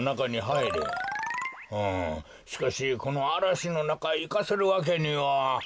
うんしかしこのあらしのなかいかせるわけには。